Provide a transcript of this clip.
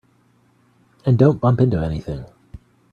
And don't bump into anything.